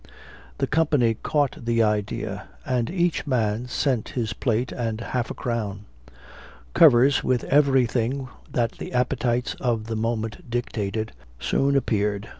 The company caught the idea, and each man sent his plate and half a crown. Covers, with everything that the appetites of the moment dictated, soon appeared.